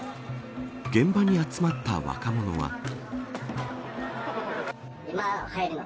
現場に集まった若者は。